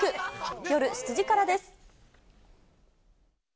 夜７時からです。